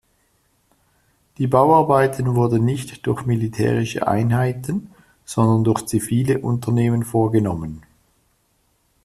Die Bauarbeiten wurden nicht durch militärische Einheiten, sondern durch zivile Unternehmen vorgenommen.